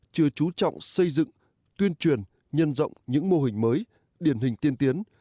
chưa chú trọng xây dựng tuyên truyền nhân rộng những mô hình mới điển hình tiên tiến